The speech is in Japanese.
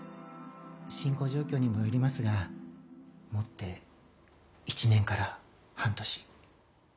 進行状況にもよりますが持って１年から半年。